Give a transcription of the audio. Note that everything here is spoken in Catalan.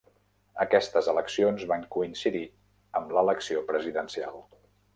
Aquestes eleccions van coincidir amb l'elecció presidencial.